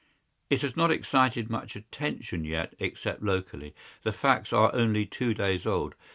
"It has not excited much attention yet, except locally. The facts are only two days old.